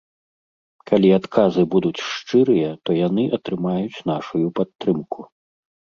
Калі адказы будуць шчырыя, то яны атрымаюць нашую падтрымку.